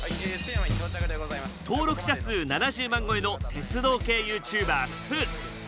登録者数７０万超えの鉄道系ユーチューバースーツ。